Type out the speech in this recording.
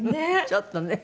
ちょっとね。